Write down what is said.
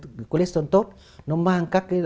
coagulation tốt nó mang các cái